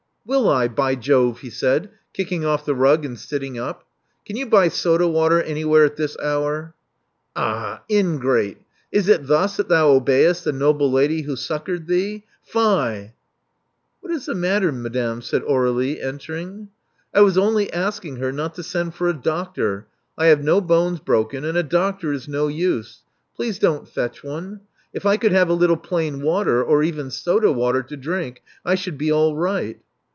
Will I, by Jove!" he said, kicking off the rug and sitting up. Can you buy soda water anywhere at this hour?" *'Ah, ingrate! Is it thus that thou obeyest the noble lady who succored thee. Fie!" What is the matter, madame," said Aur^lie, entering. I was only asking her not to send for a doctor. I have no bones broken ; and a doctor is no use. Please don't fetch one. If I could have a little plain water — or even soda water — to drink, I should be all right."